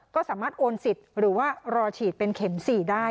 ก็สามารถโอนสิทธิ์หรือว่ารอฉีดเป็นเข็ม๔ได้